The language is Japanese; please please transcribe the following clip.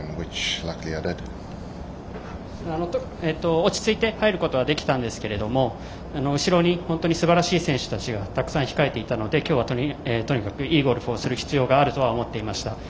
落ち着いて入ることはできたんですが後ろに本当にすばらしい選手たちたくさん控えていたので今日はとにかくいいゴルフをする必要があると思っていました。